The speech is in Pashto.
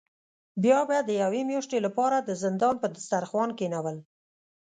بیا به د یوې میاشتې له پاره د زندان په دسترخوان کینول.